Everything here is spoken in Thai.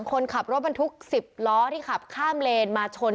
คนขับรถบรรทุก๑๐ล้อที่ขับข้ามเลนมาชน